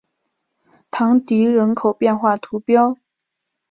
唐迪人口变化图示